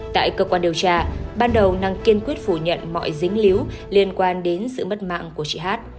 tại cơ quan điều tra ban đầu năng kiên quyết phủ nhận mọi dính líu liên quan đến sự mất mạng của chị hát